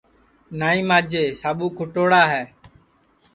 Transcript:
نائی ماجے ساٻو کُھٹوڑا ہے